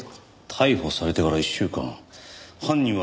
逮捕されてから１週間犯人はまだ否認を？